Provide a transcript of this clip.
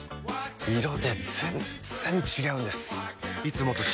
色で全然違うんです！